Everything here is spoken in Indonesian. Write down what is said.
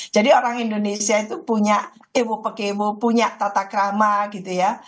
jadi orang indonesia itu punya ewo pekewo punya tata krama gitu ya